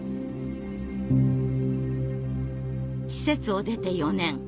施設を出て４年。